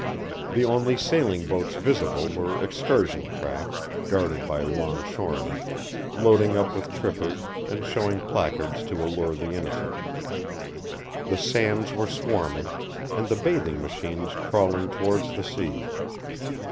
The only sailing boats visible were excursion craft, guarded by longshoremen, loading up with trippers, and showing placards to allure the innocent. The sands were swarming, and the bathing machines crawling towards the sea.